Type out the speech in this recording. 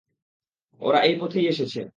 ওরা এই পথেই এসেছে।